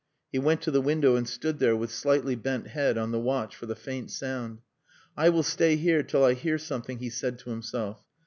He went to the window and stood there with slightly bent head on the watch for the faint sound. "I will stay here till I hear something," he said to himself.